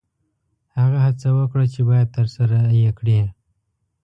هغه څه وکړه چې باید ترسره یې کړې.